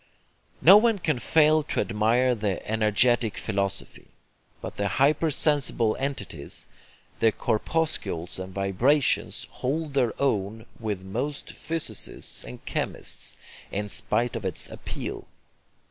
No one can fail to admire the 'energetic' philosophy. But the hypersensible entities, the corpuscles and vibrations, hold their own with most physicists and chemists, in spite of its appeal.